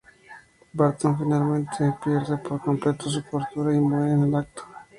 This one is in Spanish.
Barton finalmente pierde por completo su cordura y muere en el acto.